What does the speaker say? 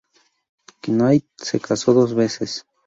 Knight se casó dos veces.